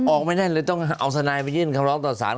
ออกไม่ได้เลยต้องเอาทนายไปยื่นคำร้องต่อสาร